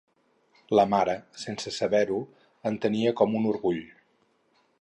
La mare, sense saber-ho, en tenia com un orgull